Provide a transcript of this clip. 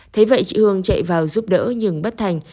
thế vậy chị hương chạy vào giúp đỡ nhưng bất thành